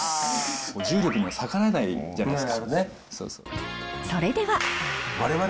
重力には逆らえないじゃないです